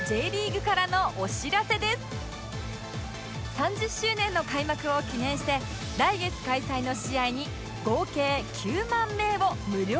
３０周年の開幕を記念して来月開催の試合に合計９万名を無料でご招待！